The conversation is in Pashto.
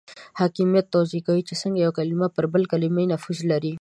حاکمیت توضیح کوي چې څنګه یو کلمه پر بل کلمه نفوذ لري.